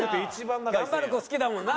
頑張る子好きだもんな。